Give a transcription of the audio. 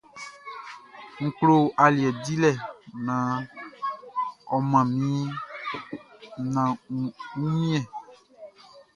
N klo aliɛ dilɛ naan ɔ mʼan mi ɲan wunmiɛn.